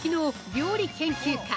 料理研究家